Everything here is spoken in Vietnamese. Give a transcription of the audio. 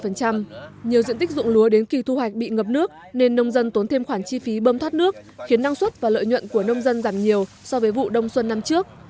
nhiều diện tích dụng lúa đến kỳ thu hoạch bị ngập nước nên nông dân tốn thêm khoản chi phí bơm thoát nước khiến năng suất và lợi nhuận của nông dân giảm nhiều so với vụ đông xuân năm trước